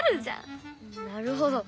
なるほど！